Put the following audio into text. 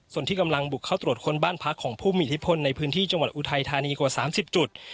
ส่วนที่กำลังบุกเข้าตรวจค้นบ้านพักของผู้มีอิทธิพลในพื้นที่จังหวัดอุทัยธานีกว่า๓๐จุด